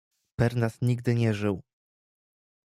"„Pernat nigdy nie żył!"